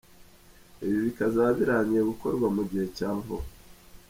Ibi bikazaba birangiye gukorwa mugihe cyavuba.